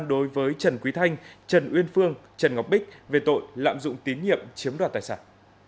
đối với trần quý thanh trần uyên phương trần ngọc bích về tội lạm dụng tín nhiệm chiếm đoạt tài sản